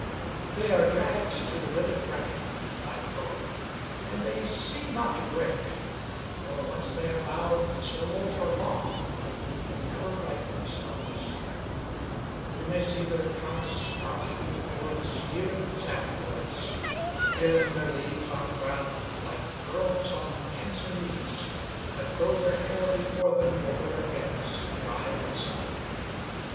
They are dragged to the withered bracken by the load, And they seem not to break; though once they are bowed So low for long, they never right themselves: You may see their trunks arching in the woods Years afterwards, trailing their leaves on the ground Like girls on hands and knees that throw their hair Before them over their heads to dry in the sun.